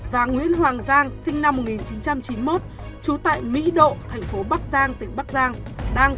và nguyễn hoàng giang sinh năm một nghìn chín trăm chín mươi một trú tại mỹ độ thành phố bắc giang tỉnh bắc giang